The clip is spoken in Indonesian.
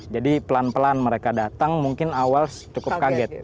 jadi pelan pelan mereka datang mungkin awal cukup kaget